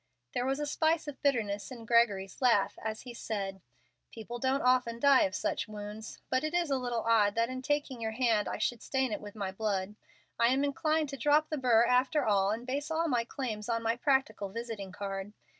There was a spice of bitterness in Gregory's laugh, as he said: "People don't often die of such wounds. But it is a little odd that in taking your hand I should stain it with my blood. I am inclined to drop the burr after all, and base all my claims on my practical visiting card.